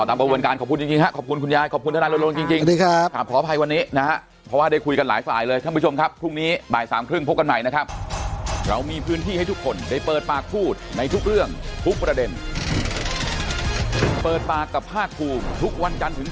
ตามความรวมกันขอบคุณเย้ครับขอบคุณคุณยายขอบคุณนักหน่อยจริง